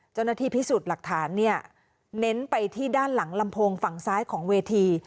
เจ้าหน้าที่พิสูจน์หลักฐานเนี่ยเน้นไปที่ด้านหลังลำโพงฝั่งซ้ายของเวที